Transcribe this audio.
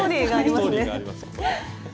ストーリーがあります。